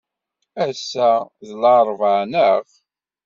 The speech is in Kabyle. Ass-a d laṛebɛa, naɣ?